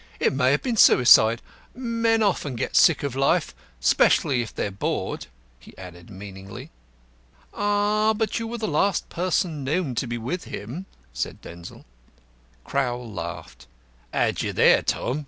"It may have been suicide. Men often get sick of life especially if they are bored," he added meaningly. "Ah, but you were the last person known to be with him," said Denzil. Crowl laughed. "Had you there, Tom."